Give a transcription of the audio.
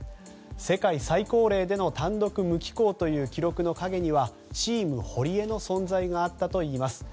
世界最高齢での単独無寄港という記録の陰にはチーム堀江の存在があったといいます。